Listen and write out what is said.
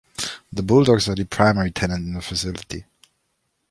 The Bulldogs are the primary tenant in the facility.